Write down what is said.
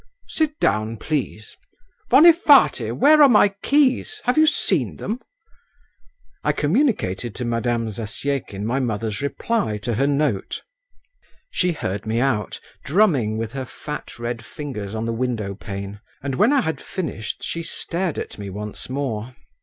"Sit down, please. Vonifaty, where are my keys, have you seen them?" I communicated to Madame Zasyekin my mother's reply to her note. She heard me out, drumming with her fat red fingers on the window pane, and when I had finished, she stared at me once more.